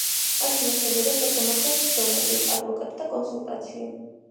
აქ იმართებოდა სასამართლოს სხდომები, ადვოკატთა კონსულტაცია.